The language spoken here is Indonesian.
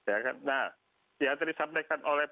yang tadi disampaikan oleh